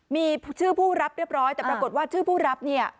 มีชื่อผู้รับเรียบร้อยแต่ปรากฏว่าชื่อผู้รับเนี่ย